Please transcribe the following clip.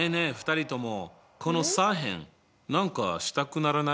２人ともこの左辺何かしたくならない？